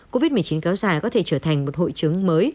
covid một mươi chín kéo dài có thể trở thành một hội chứng mới